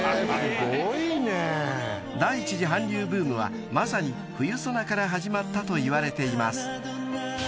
［第１次韓流ブームはまさに『冬ソナ』から始まったといわれています］